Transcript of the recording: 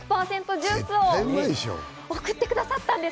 ジュースを送ってくださったんです。